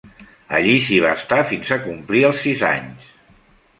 Allí s'hi va estar fins a complir els sis anys.